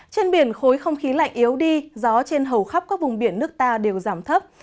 trên biển khối không khí lạnh yếu đi gió trên hầu khắp các vùng biển nước ta đều giảm thấp